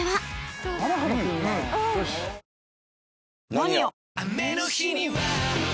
「ＮＯＮＩＯ」！